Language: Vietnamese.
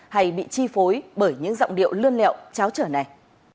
hay bị chi phối bởi những giọng điệu lươn lẹo cháo trở này